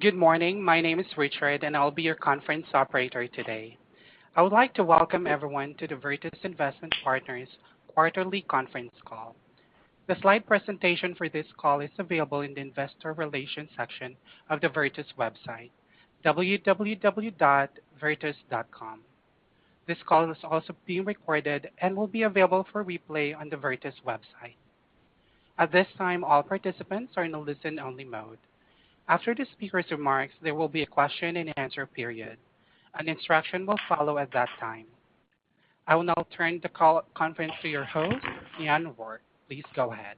Good morning. My name is Richard, and I'll be your conference operator today. I would like to welcome everyone to the Virtus Investment Partners quarterly conference call. The slide presentation for this call is available in the investor relations section of the Virtus website, www.virtus.com. This call is also being recorded and will be available for replay on the Virtus website. At this time, all participants are in a listen-only mode. After the speaker's remarks, there will be a question-and-answer period. An instruction will follow at that time. I will now turn the call over to your host, Sean P. Rourke. Please go ahead.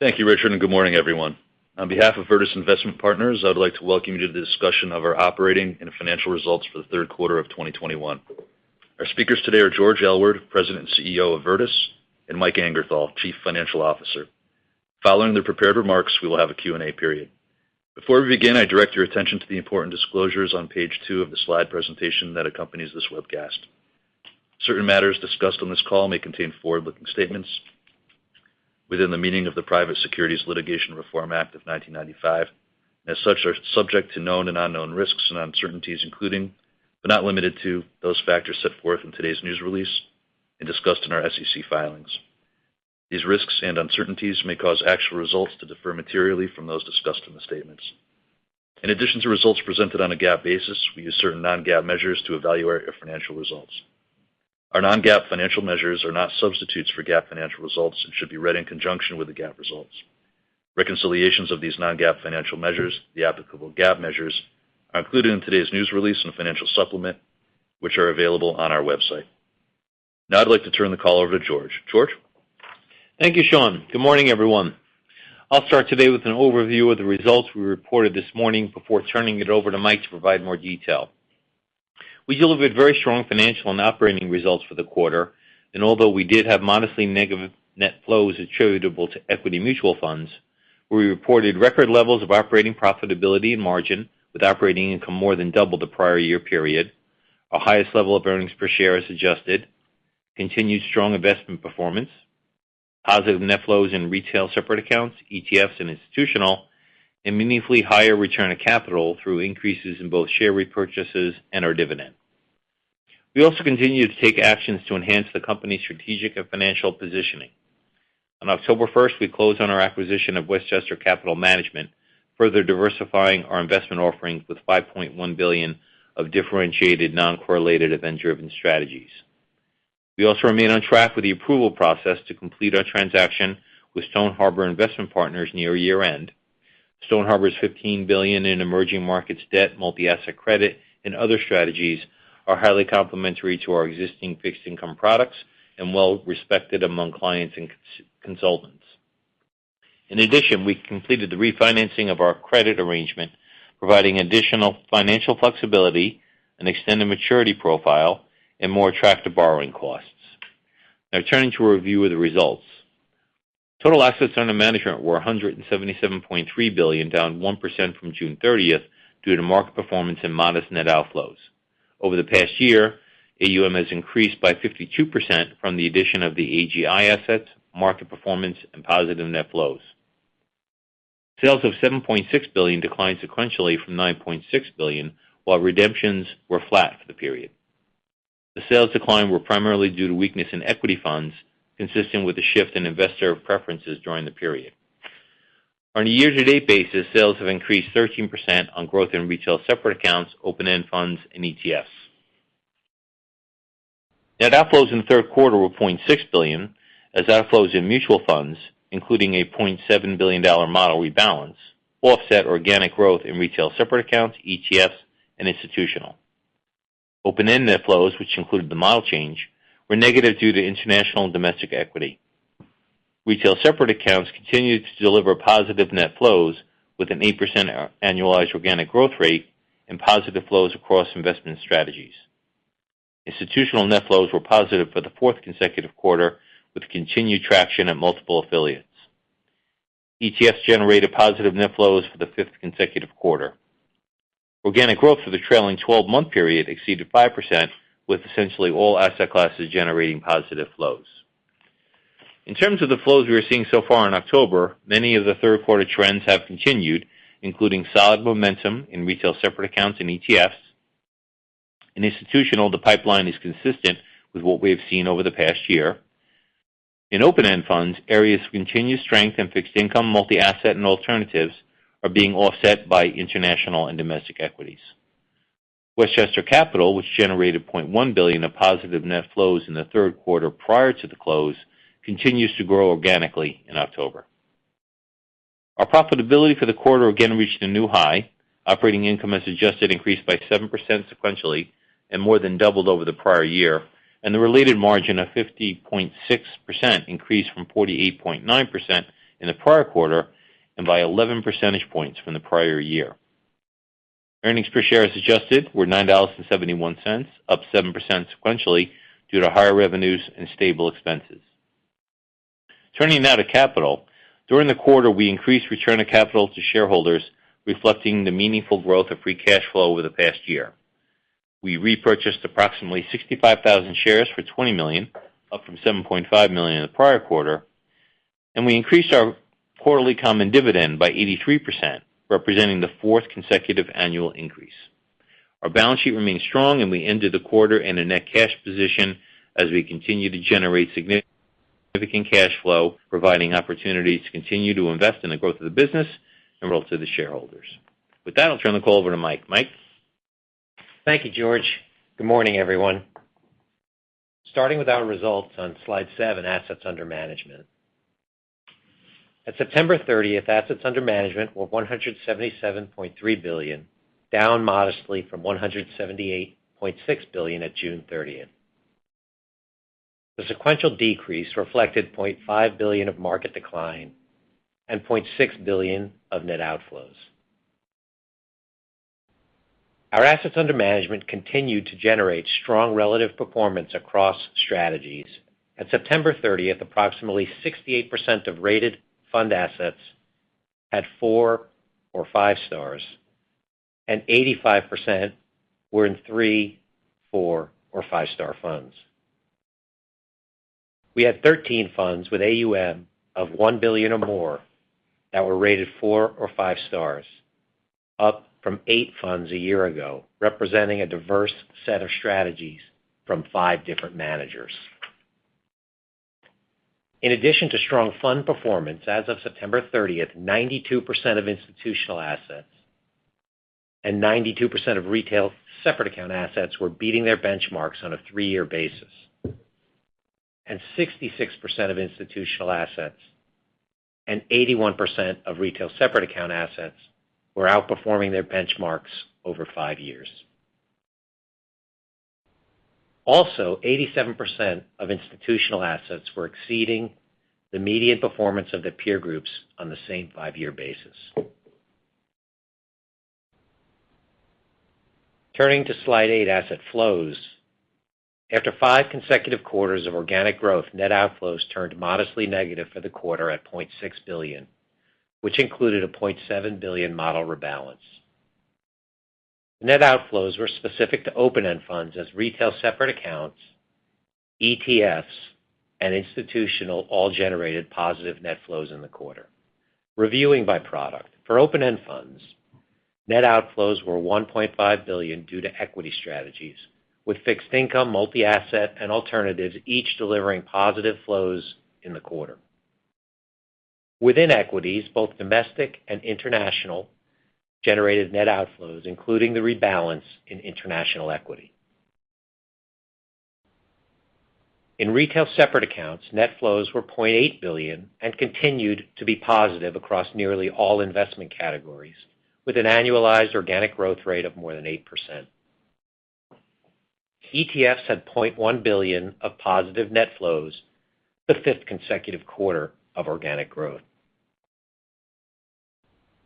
Thank you, Richard, and good morning, everyone. On behalf of Virtus Investment Partners, I would like to welcome you to the discussion of our operating and financial results for the third quarter of 2021. Our speakers today are George Aylward, President, CEO of Virtus, and Mike Angerthal, Chief Financial Officer. Following their prepared remarks, we will have a Q&A period. Before we begin, I direct your attention to the important disclosures on page two of the slide presentation that accompanies this webcast. Certain matters discussed on this call may contain forward-looking statements within the meaning of the Private Securities Litigation Reform Act of 1995, and as such, are subject to known and unknown risks and uncertainties, including, but not limited to, those factors set forth in today's news release and discussed in our SEC filings. These risks and uncertainties may cause actual results to differ materially from those discussed in the statements. In addition to results presented on a GAAP basis, we use certain non-GAAP measures to evaluate our financial results. Our non-GAAP financial measures are not substitutes for GAAP financial results and should be read in conjunction with the GAAP results. Reconciliations of these non-GAAP financial measures, the applicable GAAP measures, are included in today's news release and financial supplement, which are available on our website. Now I'd like to turn the call over to George. George? Thank you, Sean. Good morning, everyone. I'll start today with an overview of the results we reported this morning before turning it over to Mike to provide more detail. We delivered very strong financial and operating results for the quarter, and although we did have modestly negative net flows attributable to equity mutual funds, we reported record levels of operating profitability and margin, with operating income more than double the prior year period. Our highest level of earnings per share as adjusted, continued strong investment performance, positive net flows in retail separate accounts, ETFs, and institutional, and meaningfully higher return on capital through increases in both share repurchases and our dividend. We also continued to take actions to enhance the company's strategic and financial positioning. On October first, we closed on our acquisition of Westchester Capital Management, further diversifying our investment offerings with $5.1 billion of differentiated, non-correlated, event-driven strategies. We also remain on track with the approval process to complete our transaction with Stone Harbor Investment Partners near year-end. Stone Harbor's $15 billion in emerging markets debt, multi-asset credit, and other strategies are highly complementary to our existing fixed income products and well-respected among clients and consultants. In addition, we completed the refinancing of our credit arrangement, providing additional financial flexibility, an extended maturity profile, and more attractive borrowing costs. Now turning to a review of the results. Total assets under management were $177.3 billion, down 1% from June 30th due to market performance and modest net outflows. Over the past year, AUM has increased by 52% from the addition of the AGI assets, market performance, and positive net flows. Sales of $7.6 billion declined sequentially from $9.6 billion, while redemptions were flat for the period. The sales decline were primarily due to weakness in equity funds, consistent with the shift in investor preferences during the period. On a year-to-date basis, sales have increased 13% on growth in retail separate accounts, open-end funds, and ETFs. Net outflows in the third quarter were $0.6 billion, as outflows in mutual funds, including a $0.7 billion model rebalance, offset organic growth in retail separate accounts, ETFs, and institutional. Open-end net flows, which included the model change, were negative due to international and domestic equity. Retail separate accounts continued to deliver positive net flows with an 8% annualized organic growth rate and positive flows across investment strategies. Institutional net flows were positive for the fourth consecutive quarter, with continued traction at multiple affiliates. ETFs generated positive net flows for the fifth consecutive quarter. Organic growth for the trailing 12-month period exceeded 5%, with essentially all asset classes generating positive flows. In terms of the flows we are seeing so far in October, many of the third quarter trends have continued, including solid momentum in retail separate accounts and ETFs. In institutional, the pipeline is consistent with what we have seen over the past year. In open-end funds, areas of continued strength in fixed income, multi-asset, and alternatives are being offset by international and domestic equities. Westchester Capital, which generated $0.1 billion of positive net flows in the third quarter prior to the close, continues to grow organically in October. Our profitability for the quarter again reached a new high. Operating income as adjusted increased by 7% sequentially and more than doubled over the prior year, and the related margin of 50.6% increased from 48.9% in the prior quarter and by 11 percentage points from the prior year. Earnings per share as adjusted were $9.71, up 7% sequentially due to higher revenues and stable expenses. Turning now to capital. During the quarter, we increased return of capital to shareholders, reflecting the meaningful growth of free cash flow over the past year. We repurchased approximately 65,000 shares for $20 million, up from $7.5 million in the prior quarter. We increased our quarterly common dividend by 83%, representing the fourth consecutive annual increase. Our balance sheet remains strong, and we ended the quarter in a net cash position as we continue to generate significant cash flow, providing opportunity to continue to invest in the growth of the business and roll to the shareholders. With that, I'll turn the call over to Mike. Mike? Thank you, George. Good morning, everyone. Starting with our results on slide seven, Assets Under Management. At September 30th, assets under management were $177.3 billion, down modestly from $178.6 billion at June 30th. The sequential decrease reflected $0.5 billion of market decline and $0.6 billion of net outflows. Our assets under management continued to generate strong relative performance across strategies. At September 30th, approximately 68% of rated fund assets had four or five stars, and 85% were in three, four, or five-star funds. We had 13 funds with AUM of $1 billion or more that were rated four or five stars, up from eight funds a year ago, representing a diverse set of strategies from five different managers. In addition to strong fund performance, as of September 30th, 92% of institutional assets and 92% of retail separate account assets were beating their benchmarks on a three-year basis. 66% of institutional assets and 81% of retail separate account assets were outperforming their benchmarks over five years. Also, 87% of institutional assets were exceeding the median performance of their peer groups on the same five-year basis. Turning to slide eight, Asset Flows. After five consecutive quarters of organic growth, net outflows turned modestly negative for the quarter at $0.6 billion, which included a $0.7 billion model rebalance. Net outflows were specific to open-end funds as retail separate accounts, ETFs, and institutional all generated positive net flows in the quarter. Reviewing by product. For open-end funds, net outflows were $1.5 billion due to equity strategies, with fixed income, multi-asset, and alternatives each delivering positive flows in the quarter. Within equities, both domestic and international generated net outflows, including the rebalance in international equity. In retail separate accounts, net flows were $0.8 billion and continued to be positive across nearly all investment categories, with an annualized organic growth rate of more than 8%. ETFs had $0.1 billion of positive net flows, the fifth consecutive quarter of organic growth.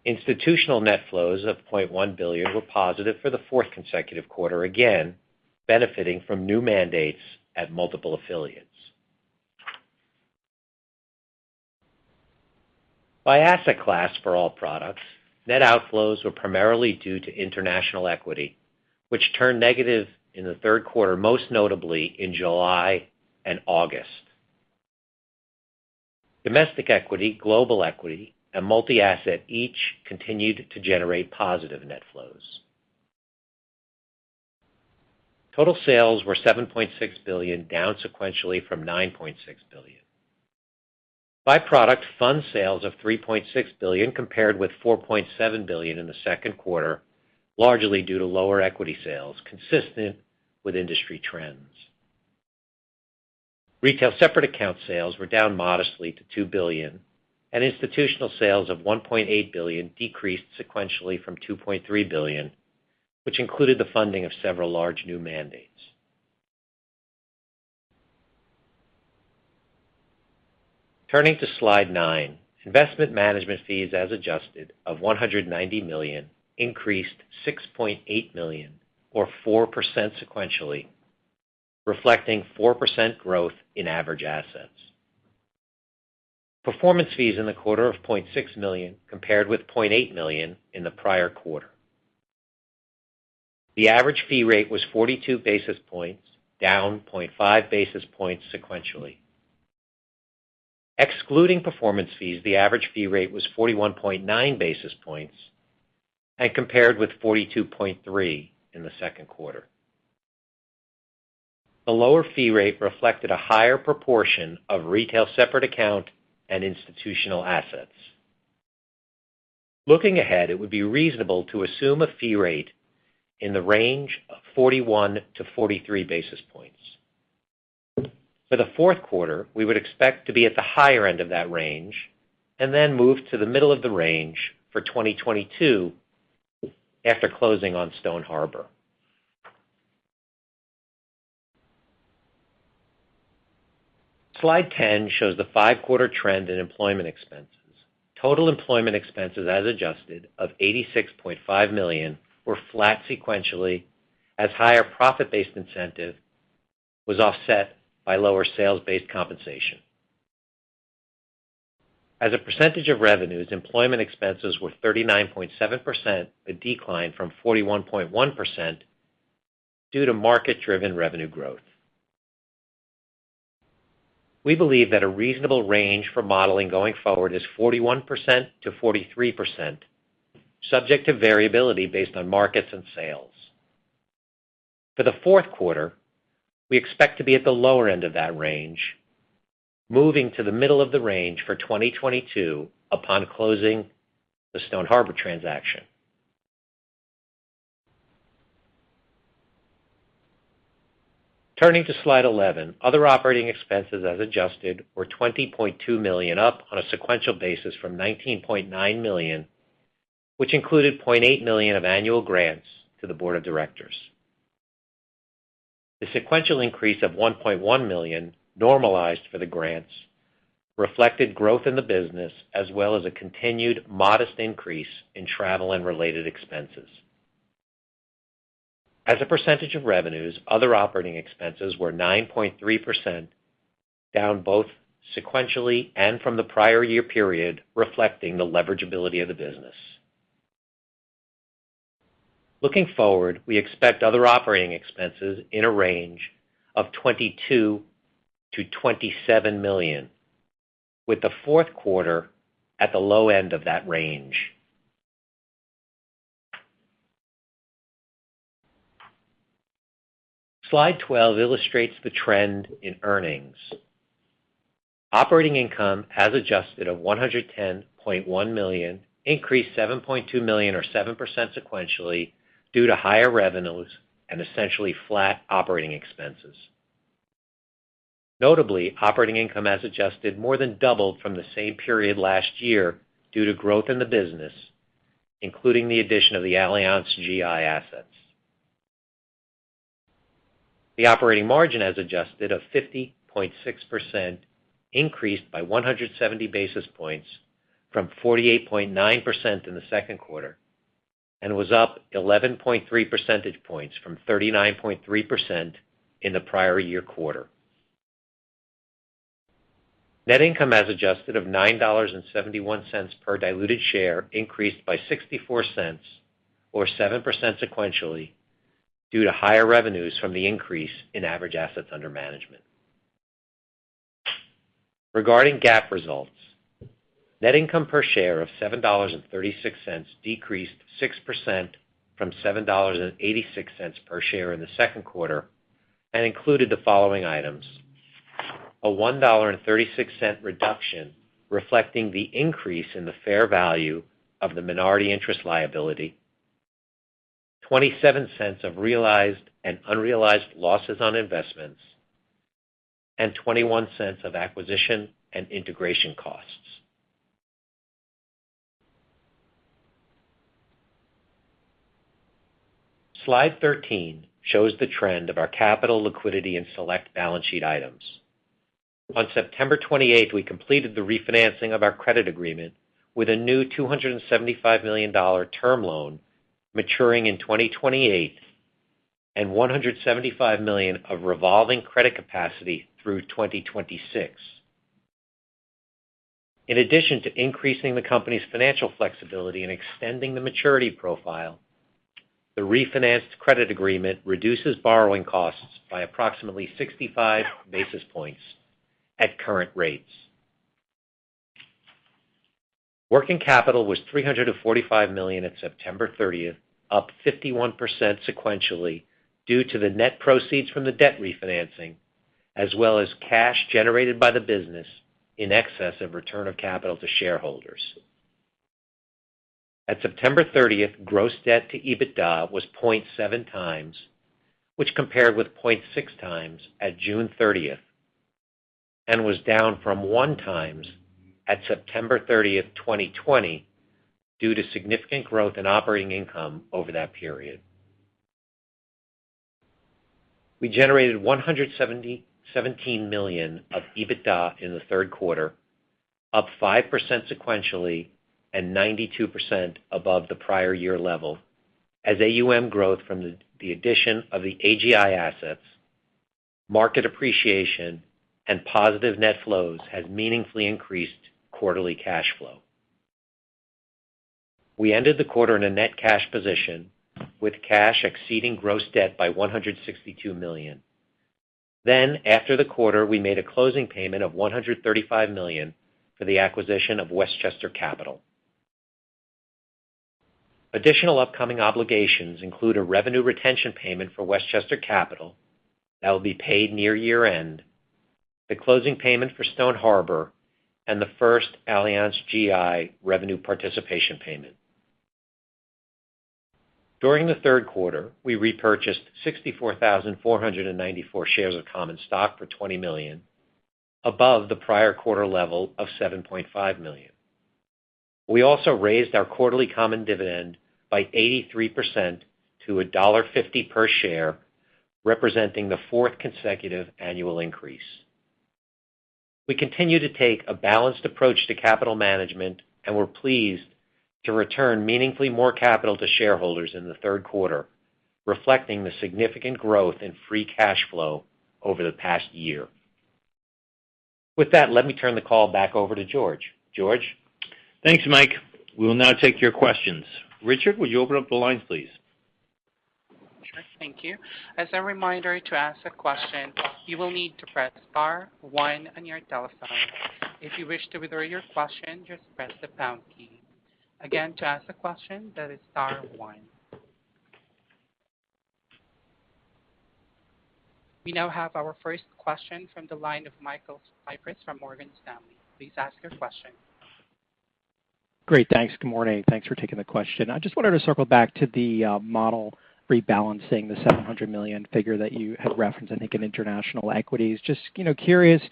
Institutional net flows of $0.1 billion were positive for the fourth consecutive quarter, again benefiting from new mandates at multiple affiliates. By asset class for all products, net outflows were primarily due to international equity, which turned negative in the third quarter, most notably in July and August. Domestic equity, global equity, and multi-asset each continued to generate positive net flows. Total sales were $7.6 billion, down sequentially from $9.6 billion. By product, fund sales of $3.6 billion compared with $4.7 billion in the second quarter, largely due to lower equity sales, consistent with industry trends. Retail separate account sales were down modestly to $2 billion, and institutional sales of $1.8 billion decreased sequentially from $2.3 billion, which included the funding of several large new mandates. Turning to slide nine, investment management fees as adjusted of $190 million increased $6.8 million or 4% sequentially, reflecting 4% growth in average assets. Performance fees in the quarter of $0.6 million compared with $0.8 million in the prior quarter. The average fee rate was 42 basis points, down 0.5 basis points sequentially. Excluding performance fees, the average fee rate was 41.9 basis points and compared with 42.3 in the second quarter. The lower fee rate reflected a higher proportion of retail separate account and institutional assets. Looking ahead, it would be reasonable to assume a fee rate in the range of 41-43 basis points. For the fourth quarter, we would expect to be at the higher end of that range and then move to the middle of the range for 2022 after closing on Stone Harbor. Slide 10 shows the five-quarter trend in employment expenses. Total employment expenses as adjusted of $86.5 million were flat sequentially as higher profit-based incentive was offset by lower sales-based compensation. As a percentage of revenues, employment expenses were 39.7%, a decline from 41.1% due to market-driven revenue growth. We believe that a reasonable range for modeling going forward is 41%-43%, subject to variability based on markets and sales. For the fourth quarter, we expect to be at the lower end of that range, moving to the middle of the range for 2022 upon closing the Stone Harbor transaction. Turning to slide 11, other operating expenses as adjusted were $20.2 million, up on a sequential basis from $19.9 million, which included $0.8 million of annual grants to the board of directors. The sequential increase of $1.1 million normalized for the grants reflected growth in the business, as well as a continued modest increase in travel and related expenses. As a percentage of revenues, other operating expenses were 9.3%, down both sequentially and from the prior year period, reflecting the leverageability of the business. Looking forward, we expect other operating expenses in a range of $22 million-$27 million, with the fourth quarter at the low end of that range. Slide 12 illustrates the trend in earnings. Operating income, as adjusted, of $110.1 million, increased $7.2 million or 7% sequentially due to higher revenues and essentially flat operating expenses. Notably, operating income, as adjusted, more than doubled from the same period last year due to growth in the business, including the addition of the Allianz GI assets. The operating margin as adjusted of 50.6% increased by 170 basis points from 48.9% in the second quarter, and was up 11.3 percentage points from 39.3% in the prior year quarter. Net income, as adjusted, of $9.71 per diluted share increased by $0.64 or 7% sequentially due to higher revenues from the increase in average assets under management. Regarding GAAP results, net income per share of $7.36 decreased 6% from $7.86 per share in the second quarter and included the following items, a $1.36 reduction, reflecting the increase in the fair value of the minority interest liability, $0.27 of realized and unrealized losses on investments, and $0.21 of acquisition and integration costs. Slide 13 shows the trend of our capital liquidity and select balance sheet items. On September 28th, we completed the refinancing of our credit agreement with a new $275 million term loan maturing in 2028 and $175 million of revolving credit capacity through 2026. In addition to increasing the company's financial flexibility and extending the maturity profile, the refinanced credit agreement reduces borrowing costs by approximately 65 basis points at current rates. Working capital was $345 million at September 30th, up 51% sequentially due to the net proceeds from the debt refinancing, as well as cash generated by the business in excess of return of capital to shareholders. At September 30th, gross debt to EBITDA was 0.7x, which compared with 0.6x at June 30th, and was down from 1x at September 30th, 2020, due to significant growth in operating income over that period. We generated $177 million of EBITDA in the third quarter, up 5% sequentially and 92% above the prior year level as AUM growth from the addition of the AGI assets, market appreciation, and positive net flows has meaningfully increased quarterly cash flow. We ended the quarter in a net cash position with cash exceeding gross debt by $162 million. After the quarter, we made a closing payment of $135 million for the acquisition of Westchester Capital. Additional upcoming obligations include a revenue retention payment for Westchester Capital that will be paid near year-end, the closing payment for Stone Harbor, and the first Allianz GI revenue participation payment. During the third quarter, we repurchased 64,494 shares of common stock for $20 million above the prior quarter level of $7.5 million. We also raised our quarterly common dividend by 83% to $1.50 per share, representing the fourth consecutive annual increase. We continue to take a balanced approach to capital management, and we're pleased to return meaningfully more capital to shareholders in the third quarter, reflecting the significant growth in free cash flow over the past year. With that, let me turn the call back over to George. George? Thanks, Mike. We will now take your questions. Richard, would you open up the lines, please? Sure. Thank you. As a reminder, to ask a question, you will need to press star one on your telephone. If you wish to withdraw your question, just press the pound key. Again, to ask a question, that is star one. We now have our first question from the line of Michael Cyprys from Morgan Stanley. Please ask your question. Great, thanks. Good morning. Thanks for taking the question. I just wanted to circle back to the model rebalancing, the $700 million figure that you had referenced, I think, in international equities. Just, you know, curious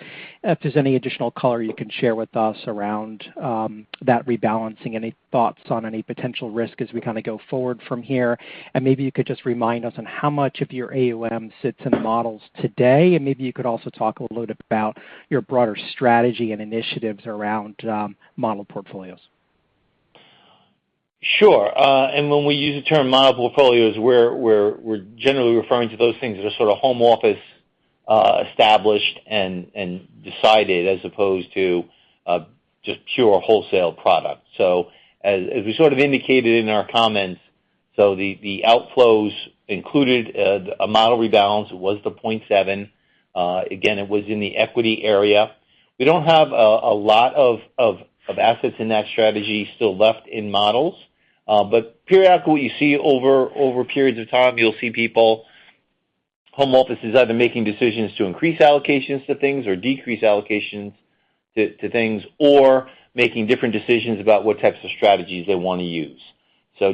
if there's any additional color you can share with us around that rebalancing. Any thoughts on any potential risk as we kinda go forward from here? Maybe you could just remind us on how much of your AUM sits in the models today, and maybe you could also talk a little bit about your broader strategy and initiatives around model portfolios. Sure. When we use the term model portfolios, we're generally referring to those things that are sort of home office established and decided as opposed to just pure wholesale product. As we sort of indicated in our comments, the outflows included a model rebalance was $0.7 billion. Again, it was in the equity area. We don't have a lot of assets in that strategy still left in models. Periodically what you see over periods of time, you'll see people home offices either making decisions to increase allocations to things or decrease allocations to things or making different decisions about what types of strategies they wanna use.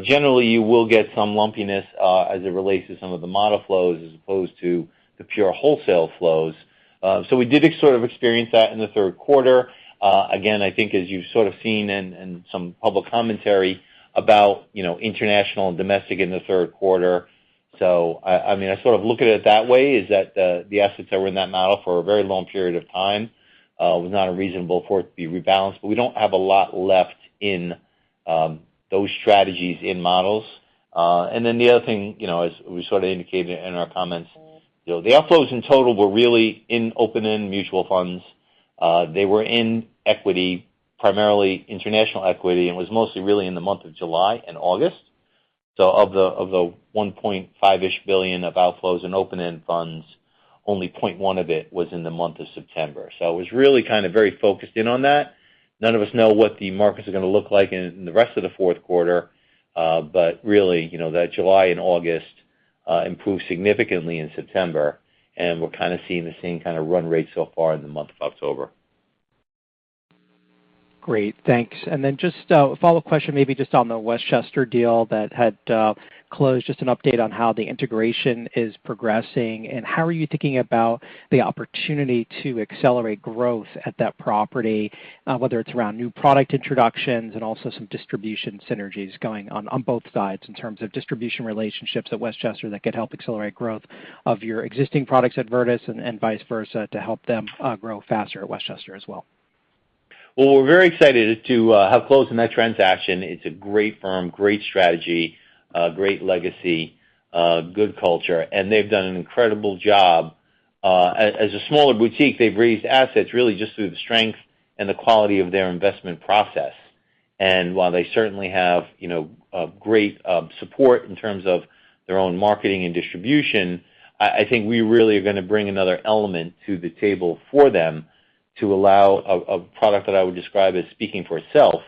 Generally, you will get some lumpiness as it relates to some of the model flows as opposed to the pure wholesale flows. We did sort of experience that in the third quarter. Again, I think as you've sort of seen in some public commentary about, you know, international and domestic in the third quarter. I mean, I sort of look at it that way, is that the assets that were in that model for a very long period of time was not unreasonable for it to be rebalanced. We don't have a lot left in those strategies in models. Then the other thing, you know, as we sort of indicated in our comments, you know, the outflows in total were really in open-end mutual funds. They were in equity, primarily international equity, and was mostly really in the month of July and August. Of the $1.5-ish billion of outflows in open-end funds, only $0.1 billion of it was in the month of September. It was really kind of very focused in on that. None of us know what the markets are gonna look like in the rest of the fourth quarter. Really, you know, that July and August improved significantly in September, and we're kinda seeing the same kind of run rate so far in the month of October. Great. Thanks. Then just a follow question maybe just on the Westchester deal that had closed. Just an update on how the integration is progressing, and how are you thinking about the opportunity to accelerate growth at that property, whether it's around new product introductions and also some distribution synergies going on both sides in terms of distribution relationships at Westchester that could help accelerate growth of your existing products at Virtus and vice versa to help them grow faster at Westchester as well. Well, we're very excited to have closed on that transaction. It's a great firm, great strategy, great legacy, good culture, and they've done an incredible job. As a smaller boutique, they've raised assets really just through the strength and the quality of their investment process. While they certainly have, you know, great support in terms of their own marketing and distribution, I think we really are gonna bring another element to the table for them to allow a product that I would describe as speaking for itself,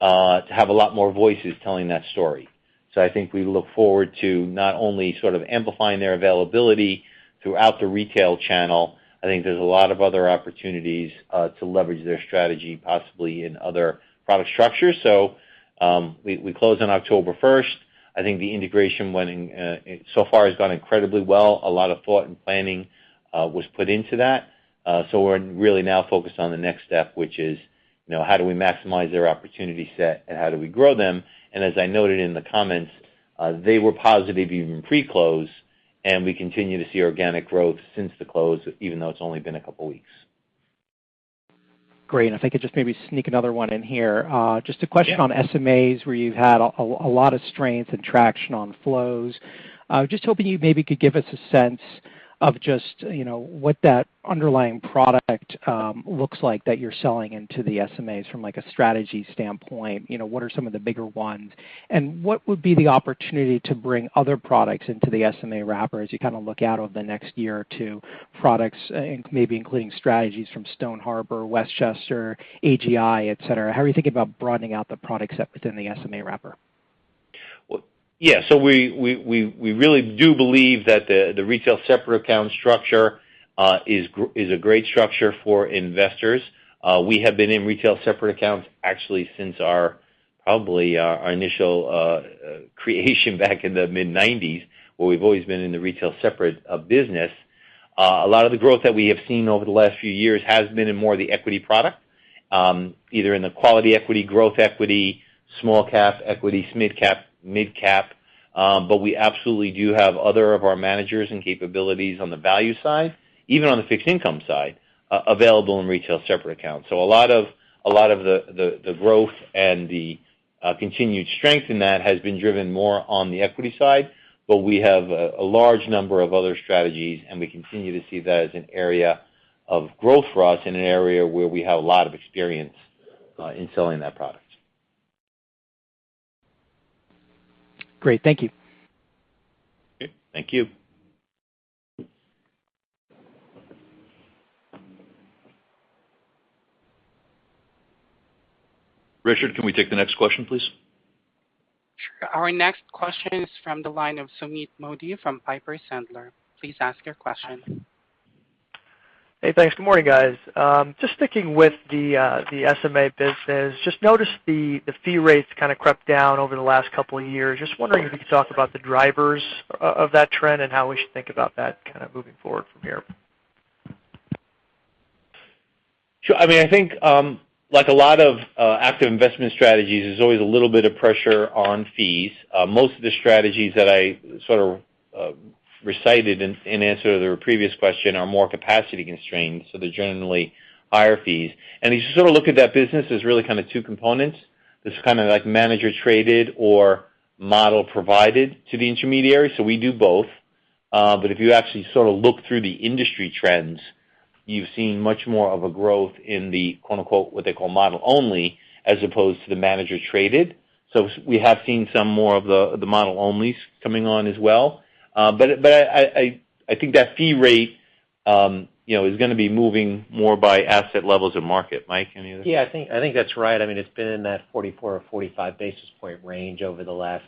to have a lot more voices telling that story. I think we look forward to not only sort of amplifying their availability throughout the retail channel. I think there's a lot of other opportunities to leverage their strategy possibly in other product structures. We closed on October first. I think the integration went in so far has gone incredibly well. A lot of thought and planning was put into that. We're really now focused on the next step, which is, you know, how do we maximize their opportunity set, and how do we grow them? As I noted in the comments, they were positive even pre-close, and we continue to see organic growth since the close, even though it's only been a couple weeks. Great. If I could just maybe sneak another one in here. Just a question. Yeah. On SMAs, where you've had a lot of strength and traction on flows. Just hoping you maybe could give us a sense of just, you know, what that underlying product looks like that you're selling into the SMAs from, like, a strategy standpoint. You know, what are some of the bigger ones? What would be the opportunity to bring other products into the SMA wrapper as you kinda look out over the next year or two, products, maybe including strategies from Stone Harbor, Westchester, AGI, et cetera? How are you thinking about broadening out the product set within the SMA wrapper? Well, yeah. We really do believe that the retail separate account structure is a great structure for investors. We have been in retail separate accounts actually since our initial creation back in the mid-nineties, where we've always been in the retail separate business. A lot of the growth that we have seen over the last few years has been in more of the equity product, either in the quality equity, growth equity, small cap equity, small mid cap, mid cap. But we absolutely do have other of our managers and capabilities on the value side, even on the fixed income side available in retail separate accounts. A lot of the growth and the Continued strength in that has been driven more on the equity side, but we have a large number of other strategies, and we continue to see that as an area of growth for us in an area where we have a lot of experience in selling that product. Great. Thank you. Okay. Thank you. Richard, can we take the next question, please? Sure. Our next question is from the line of Sumeet Mody from Piper Sandler. Please ask your question. Hey, thanks. Good morning, guys. Just sticking with the SMA business. Just noticed the fee rates kinda crept down over the last couple of years. Just wondering if you could talk about the drivers of that trend and how we should think about that kinda moving forward from here. Sure. I mean, I think, like a lot of active investment strategies, there's always a little bit of pressure on fees. Most of the strategies that I sort of recited in answer to the previous question are more capacity constrained, so they're generally higher fees. If you sort of look at that business, there's really kinda two components. There's kinda like manager traded or model provided to the intermediary, so we do both. But if you actually sorta look through the industry trends, you've seen much more of a growth in the, quote, unquote, what they call model only as opposed to the manager traded. We have seen some more of the model onlys coming on as well. I think that fee rate, you know, is gonna be moving more by asset levels and market. Yeah, I think that's right. I mean, it's been in that 44 or 45 basis point range over the last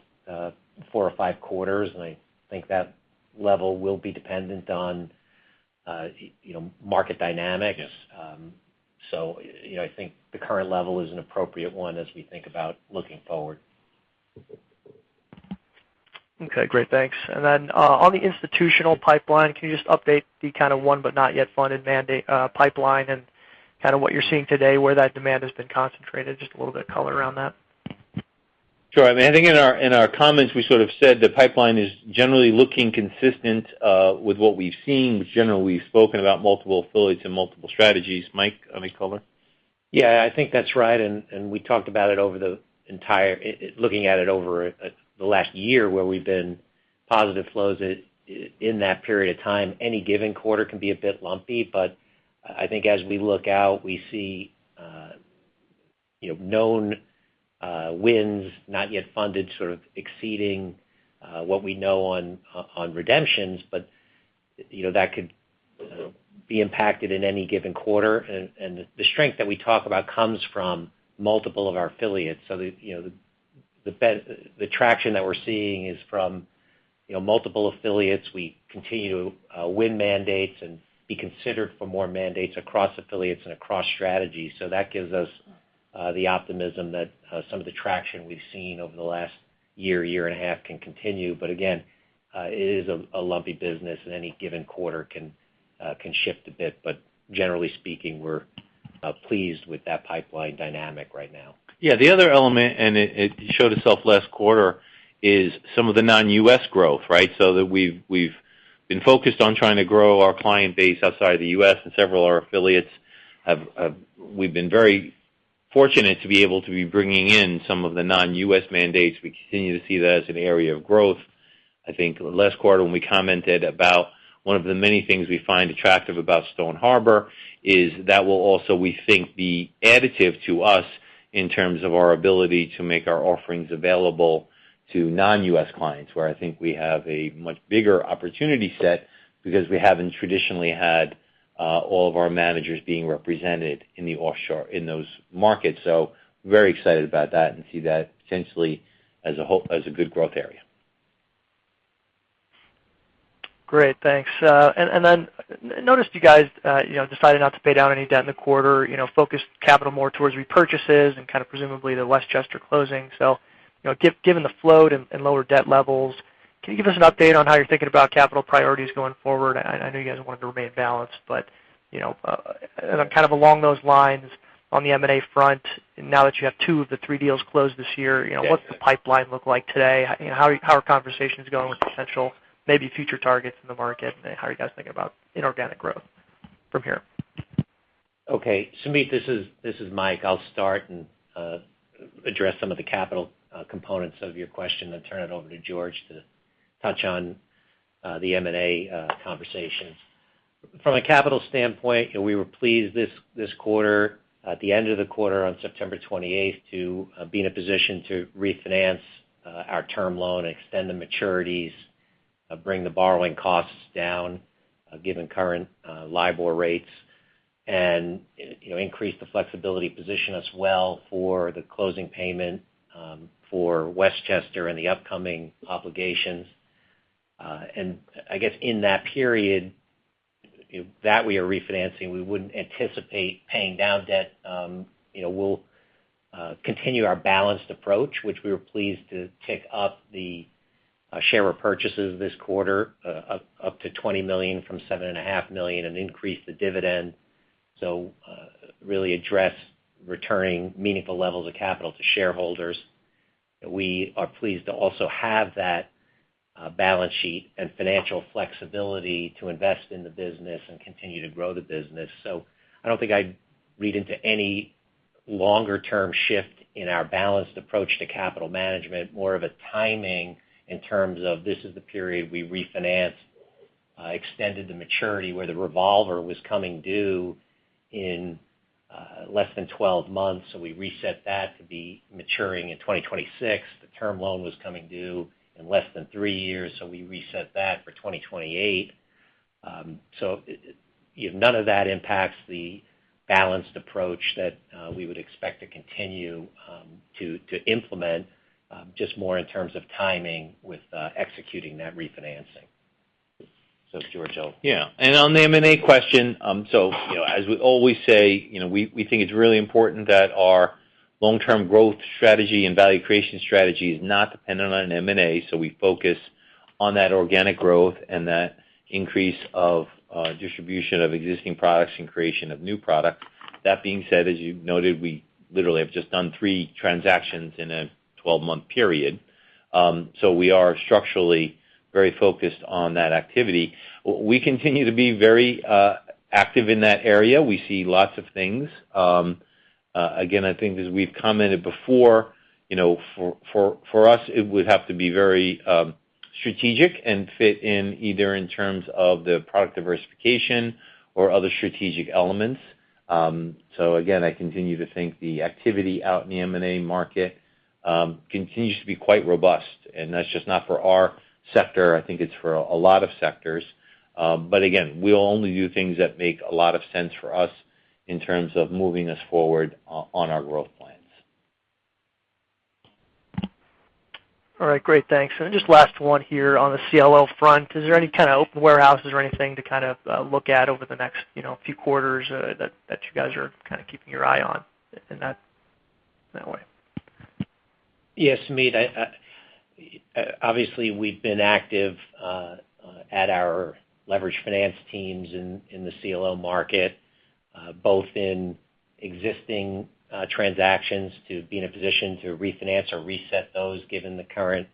four or five quarters, and I think that level will be dependent on, you know, market dynamics. I think the current level is an appropriate one as we think about looking forward. Okay. Great. Thanks. On the institutional pipeline, can you just update the kinda won but not yet funded mandate, pipeline and kinda what you're seeing today where that demand has been concentrated? Just a little bit of color around that. Sure. I mean, I think in our comments we sort of said the pipeline is generally looking consistent with what we've seen. Generally, we've spoken about multiple affiliates and multiple strategies. Mike, any color? Yeah, I think that's right, and we talked about it looking at it over the last year where we've been positive flows in that period of time. Any given quarter can be a bit lumpy, but I think as we look out, we see you know, known wins not yet funded, sort of exceeding what we know on redemptions. But you know, that could be impacted in any given quarter. The strength that we talk about comes from multiple of our affiliates. You know, the traction that we're seeing is from you know, multiple affiliates. We continue to win mandates and be considered for more mandates across affiliates and across strategies. That gives us the optimism that some of the traction we've seen over the last year and a half can continue. Again, it is a lumpy business, and any given quarter can shift a bit. Generally speaking, we're pleased with that pipeline dynamic right now. Yeah. The other element, and it showed itself last quarter, is some of the non-U.S. growth, right? That we've been focused on trying to grow our client base outside the U.S. We've been very fortunate to be able to be bringing in some of the non-U.S. mandates. We continue to see that as an area of growth. I think last quarter when we commented about one of the many things we find attractive about Stone Harbor is that will also, we think, be additive to us in terms of our ability to make our offerings available to non-U.S. clients, where I think we have a much bigger opportunity set because we haven't traditionally had all of our managers being represented in the offshore, in those markets. Very excited about that and see that potentially as a good growth area. Great. Thanks. And then noticed you guys decided not to pay down any debt in the quarter. You know, focused capital more towards repurchases and kinda presumably the Westchester closing. So, you know, given the float and lower debt levels, can you give us an update on how you're thinking about capital priorities going forward? I know you guys wanted to remain balanced, but you know, and then kind of along those lines, on the M&A front, now that you have two of the three deals closed this year, you know, what's the pipeline look like today? You know, how are conversations going with potential maybe future targets in the market, and how are you guys thinking about inorganic growth from here? Okay. Sumeet, this is Mike. I'll start and address some of the capital components of your question, then turn it over to George to touch on the M&A conversations. From a capital standpoint, you know, we were pleased this quarter, at the end of the quarter on September 28th, to be in a position to refinance our term loan and extend the maturities, bring the borrowing costs down, given current LIBOR rates. You know, increase the flexibility position as well for the closing payment for Westchester and the upcoming obligations. I guess in that period that we are refinancing, we wouldn't anticipate paying down debt. You know, we'll continue our balanced approach, which we were pleased to tick up the share repurchases this quarter up to $20 million from $7.5 million, and increase the dividend. really address returning meaningful levels of capital to shareholders. We are pleased to also have that balance sheet and financial flexibility to invest in the business and continue to grow the business. I don't think I'd read into any longer-term shift in our balanced approach to capital management, more of a timing in terms of this is the period we refinance, extended the maturity where the revolver was coming due in less than 12 months. we reset that to be maturing in 2026. The term loan was coming due in less than three years, so we reset that for 2028. None of that impacts the balanced approach that we would expect to continue to implement, just more in terms of timing with executing that refinancing. George, I'll. Yeah. On the M&A question, you know, as we always say, you know, we think it's really important that our long-term growth strategy and value creation strategy is not dependent on M&A. We focus on that organic growth and that increase of distribution of existing products and creation of new product. That being said, as you noted, we literally have just done three transactions in a 12-month period. We are structurally very focused on that activity. We continue to be very active in that area. We see lots of things. Again, I think as we've commented before, you know, for us, it would have to be very strategic and fit in either in terms of the product diversification or other strategic elements. Again, I continue to think the activity out in the M&A market continues to be quite robust, and that's just not for our sector, I think it's for a lot of sectors. Again, we'll only do things that make a lot of sense for us in terms of moving us forward on our growth plans. All right, great. Thanks. Just last one here on the CLO front. Is there any kind of open warehouses or anything to kind of look at over the next, you know, few quarters, that you guys are kind of keeping your eye on in that way? Yes, Sumeet, I obviously we've been active at our leveraged finance teams in the CLO market both in existing transactions to be in a position to refinance or reset those given the current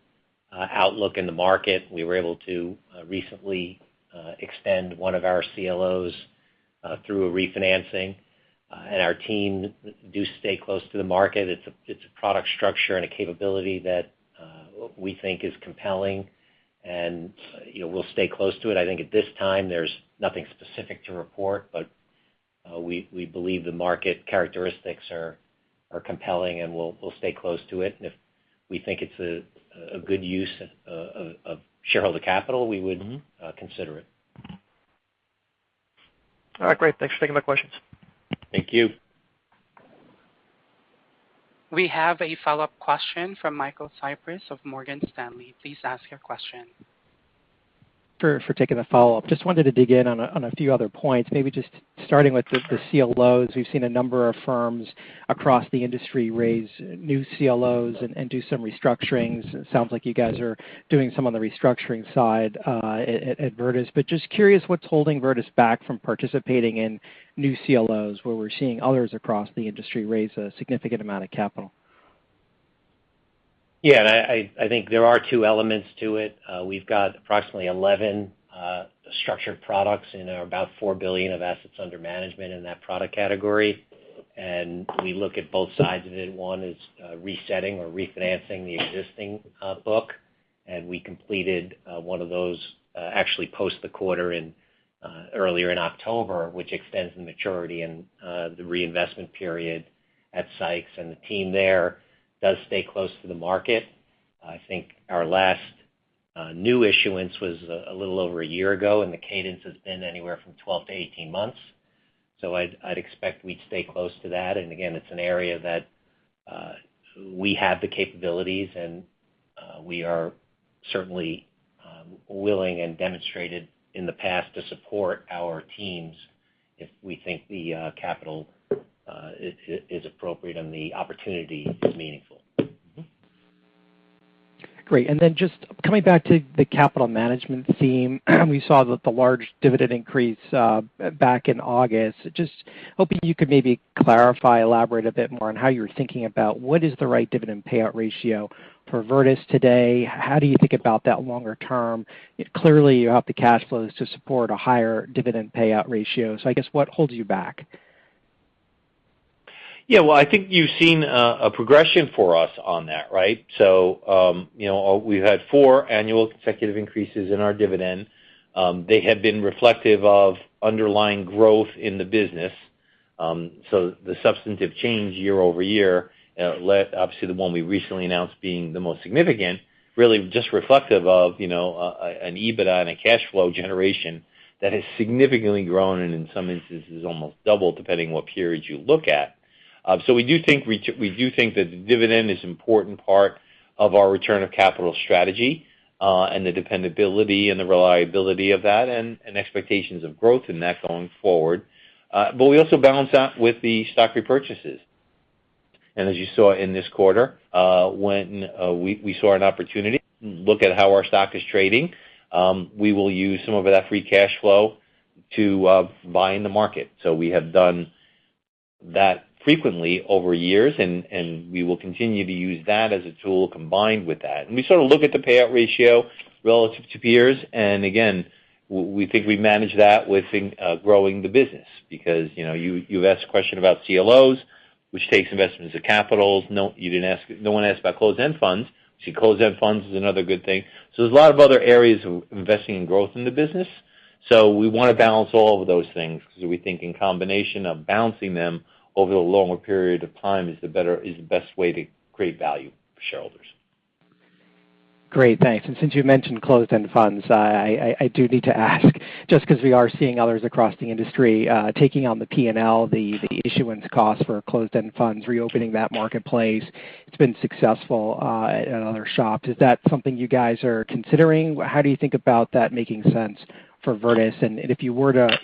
outlook in the market. We were able to recently extend one of our CLOs through a refinancing. Our team do stay close to the market. It's a product structure and a capability that we think is compelling. You know, we'll stay close to it. I think at this time, there's nothing specific to report, but we believe the market characteristics are compelling, and we'll stay close to it. If we think it's a good use of shareholder capital, we would consider it. All right, great. Thanks for taking my questions. Thank you. We have a follow-up question from Michael Cyprys of Morgan Stanley. Please ask your question. Thanks for taking the follow-up. Just wanted to dig in on a few other points, maybe just starting with the CLOs. We've seen a number of firms across the industry raise new CLOs and do some restructurings. It sounds like you guys are doing some on the restructuring side at Virtus. Just curious what's holding Virtus back from participating in new CLOs, where we're seeing others across the industry raise a significant amount of capital. Yeah. I think there are two elements to it. We've got approximately 11 structured products and about $4 billion of assets under management in that product category. We look at both sides of it. One is resetting or refinancing the existing book, and we completed one of those actually post the quarter in earlier October, which extends the maturity and the reinvestment period at Seix. The team there does stay close to the market. I think our last new issuance was a little over a year ago, and the cadence has been anywhere from 12-18 months. I'd expect we'd stay close to that. Again, it's an area that we have the capabilities, and we are certainly willing and demonstrated in the past to support our teams if we think the capital is appropriate and the opportunity is meaningful. Great. Then just coming back to the capital management theme, we saw that the large dividend increase back in August. Just hoping you could maybe clarify, elaborate a bit more on how you're thinking about what is the right dividend payout ratio for Virtus today. How do you think about that longer term? Clearly, you have the cash flows to support a higher dividend payout ratio. I guess what holds you back? Yeah. I think you've seen a progression for us on that, right? You know, we've had four annual consecutive increases in our dividend. They have been reflective of underlying growth in the business. The substantive change year-over-year led obviously the one we recently announced being the most significant, really just reflective of, you know, an EBITDA and a cash flow generation that has significantly grown and in some instances, almost doubled, depending on what periods you look at. We do think that the dividend is important part of our return of capital strategy, and the dependability and the reliability of that and expectations of growth in that going forward. We also balance that with the stock repurchases. As you saw in this quarter, when we saw an opportunity, look at how our stock is trading, we will use some of that free cash flow to buy in the market. We have done that frequently over years, and we will continue to use that as a tool combined with that. We sort of look at the payout ratio relative to peers. Again, we think we manage that with growing the business because, you know, you have asked a question about CLOs which takes investments of capital. No, you didn't ask. No one asked about closed-end funds. See, closed-end funds is another good thing. There's a lot of other areas of investing in growth in the business. We wanna balance all of those things because we think in combination of balancing them over a longer period of time is the best way to create value for shareholders. Great, thanks. Since you've mentioned closed-end funds, I do need to ask just 'cause we are seeing others across the industry, taking on the P&L, the issuance costs for closed-end funds, reopening that marketplace. It's been successful at other shops. Is that something you guys are considering? How do you think about that making sense for Virtus? If you were to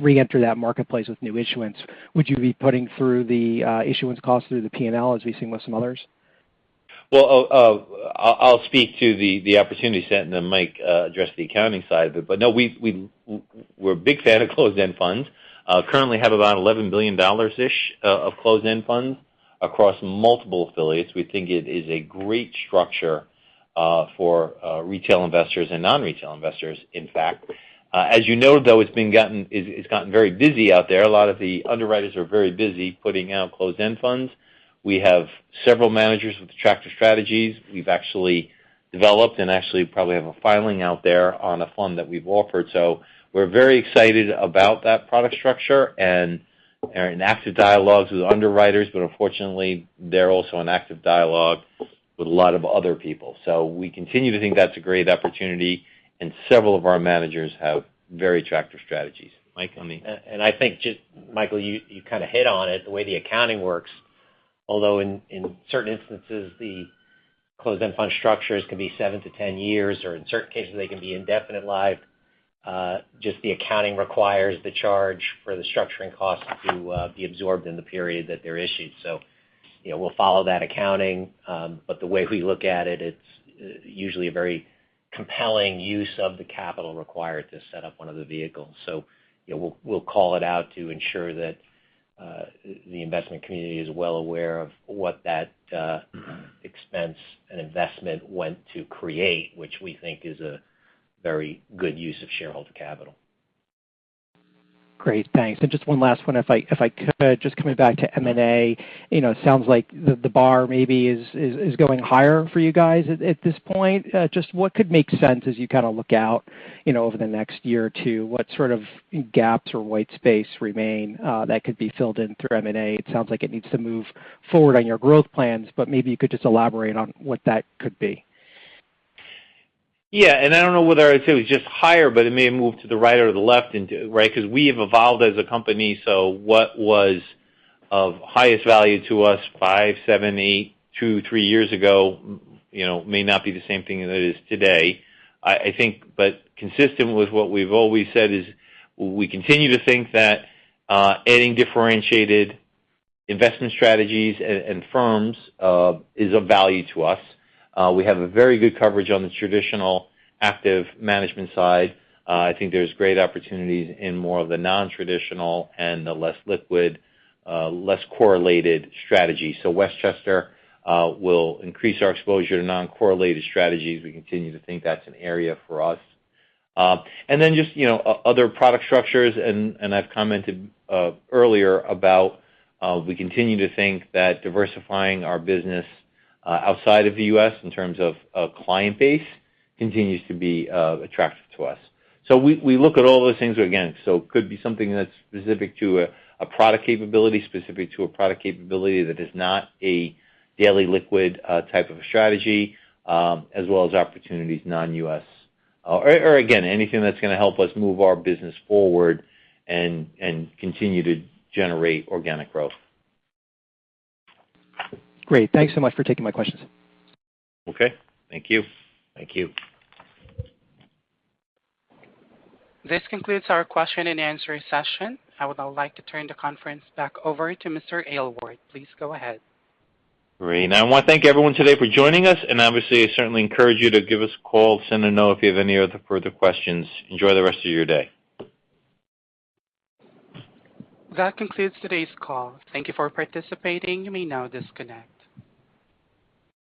reenter that marketplace with new issuance, would you be putting through the issuance costs through the P&L as we've seen with some others? Well, I'll speak to the opportunity set and then Mike address the accounting side of it. No, we're a big fan of closed-end funds. Currently have about $11 billion-ish of closed-end funds across multiple affiliates. We think it is a great structure for retail investors and non-retail investors, in fact. As you know, though, it's gotten very busy out there. A lot of the underwriters are very busy putting out closed-end funds. We have several managers with attractive strategies. We've actually developed and actually probably have a filing out there on a fund that we've offered. We're very excited about that product structure and are in active dialogues with underwriters. Unfortunately, they're also in active dialogue with a lot of other people. We continue to think that's a great opportunity, and several of our managers have very attractive strategies. Mike? I think, Michael, you kinda hit on it the way the accounting works. Although in certain instances, the closed-end fund structures can be 7-10 years, or in certain cases they can be indefinite life, just the accounting requires the charge for the structuring costs to be absorbed in the period that they're issued. You know, we'll follow that accounting. The way we look at it's usually a very compelling use of the capital required to set up one of the vehicles. You know, we'll call it out to ensure that the investment community is well aware of what that expense and investment went to create, which we think is a very good use of shareholder capital. Great, thanks. Just one last one if I could. Just coming back to M&A. You know, it sounds like the bar maybe is going higher for you guys at this point. Just what could make sense as you kinda look out, you know, over the next year or two, what sort of gaps or white space remain that could be filled in through M&A? It sounds like it needs to move forward on your growth plans, but maybe you could just elaborate on what that could be. Yeah. I don't know whether I'd say it was just higher, but it may have moved to the right or the left into right? 'Cause we have evolved as a company, so what was of highest value to us five, seven, eight, two, three years ago, you know, may not be the same thing as it is today. I think but consistent with what we've always said is we continue to think that adding differentiated investment strategies and firms is of value to us. We have a very good coverage on the traditional active management side. I think there's great opportunities in more of the non-traditional and the less liquid, less correlated strategy. So Westchester will increase our exposure to non-correlated strategies. We continue to think that's an area for us. Just, you know, other product structures, and I've commented earlier about we continue to think that diversifying our business outside of the U.S. in terms of a client base continues to be attractive to us. We look at all those things again. Could be something that's specific to a product capability that is not a daily liquid type of a strategy, as well as opportunities non-U.S. Or again, anything that's gonna help us move our business forward and continue to generate organic growth. Great. Thanks so much for taking my questions. Okay. Thank you. Thank you. This concludes our question-and-answer session. I would now like to turn the conference back over to Mr. Aylward. Please go ahead. Great. I wanna thank everyone today for joining us, and obviously, I certainly encourage you to give us a call, send a note if you have any other further questions. Enjoy the rest of your day. That concludes today's call. Thank you for participating. You may now disconnect.